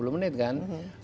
enam puluh menit kan